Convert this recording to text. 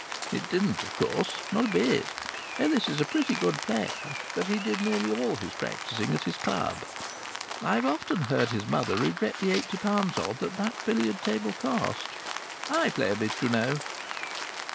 It didn't, of course, not a bit. Ellis is a pretty good player, but he did nearly all his practising at his club. I've often heard his mother regret the eighty pounds odd that that billiard table cost.... I play a bit, you know.